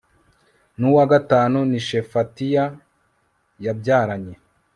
n'uwa gatanu ni shefatiya yabyaranye